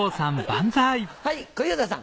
はい小遊三さん。